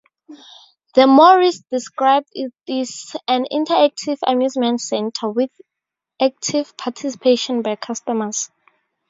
The Morey's described it as an "interactive amusement center" with active participation by customers.